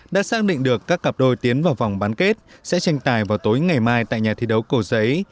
đã xác định được các cặp đôi tiến vào vòng bán kết sẽ tranh tài vào tối ngày mai tại nhà thi đấu cầu giấy